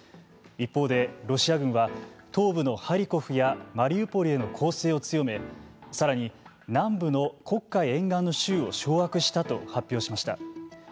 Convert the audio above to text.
一方で、ロシア軍は東部のハリコフやマリウポリへの攻勢を強めさらに南部の黒海沿岸の州を掌握したと発表しました。